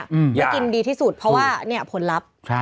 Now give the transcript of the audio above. ได้กินดีที่สุดเพราะว่าเนี่ยผลลัพธ์